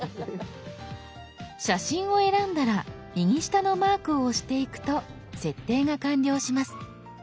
写真を選んだら右下のマークを押していくと設定が完了します。